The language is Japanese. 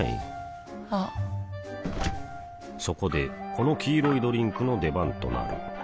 あっそこでこの黄色いドリンクの出番となる